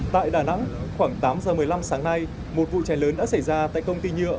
tại đà nẵng khoảng tám giờ một mươi năm sáng nay một vụ cháy lớn đã xảy ra tại công ty nhựa